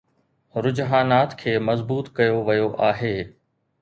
رجحانات کي مضبوط ڪيو ويو آهي